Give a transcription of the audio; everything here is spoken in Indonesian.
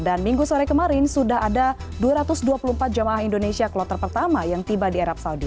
dan minggu sore kemarin sudah ada dua ratus dua puluh empat jamaah indonesia kloter pertama yang tiba di arab saudi